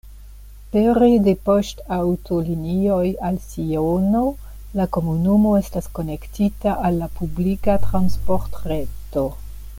Pere de poŝtaŭtolinioj al Siono la komunumo estas konektita al la publika transportreto.